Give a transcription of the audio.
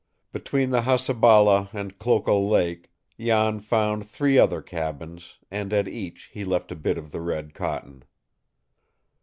Between the Hasabala and Klokol Lake, Jan found three other cabins, and at each he left a bit of the red cotton.